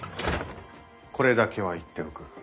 これだけは言っておく。